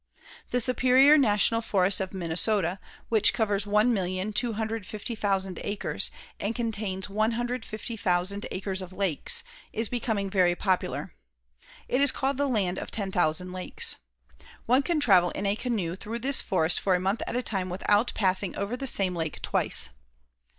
The Superior National Forest of Minnesota, which covers 1,250,000 acres and contains 150,000 acres of lakes, is becoming very popular. It is called "the land of ten thousand lakes." One can travel in a canoe through this forest for a month at a time without passing over the same lake twice.